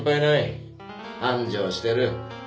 繁盛してる。